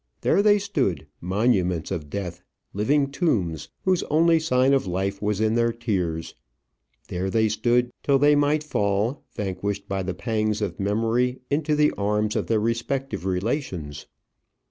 There they stood, monuments of death, living tombs, whose only sign of life was in their tears. There they stood, till they might fall, vanquished by the pangs of memory, into the arms of their respective relations.